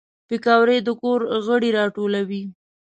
پکورې د کور غړي راټولوي